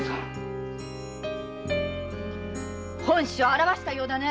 本性現したようだね！